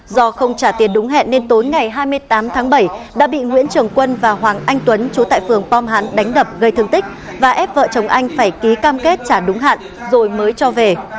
do không trả tiền đúng hẹn nên tối ngày hai mươi tám tháng bảy đã bị nguyễn trường quân và hoàng anh tuấn chú tại phường pom hán đánh đập gây thương tích và ép vợ chồng anh phải ký cam kết trả đúng hạn rồi mới cho về